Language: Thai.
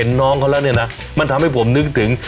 น้องเขาแล้วเนี่ยนะมันทำให้ผมนึกถึง